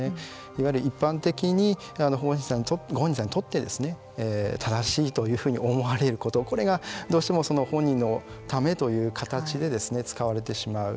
いわゆる一般的にご本人さんにとって正しいというふうに思われることこれがどうしても本人のためという形で使われてしまう。